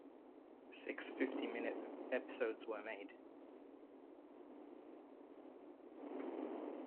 Six fifty-minute episodes were made.